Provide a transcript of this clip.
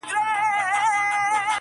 اوس سره جار وتو رباب سومه نغمه یمه،